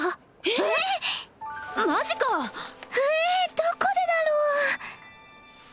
ええどこでだろう？